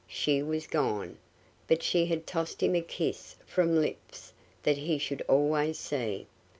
She was gone, but she had tossed him a kiss from lips that he should always see.